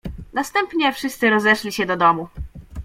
"Następnie wszyscy rozeszli się do domu."